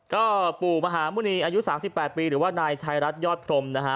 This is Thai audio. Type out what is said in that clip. ก็ปู่มหาหมุณีอายุ๓๘ปีหรือว่านายชายรัฐยอดพรมนะฮะ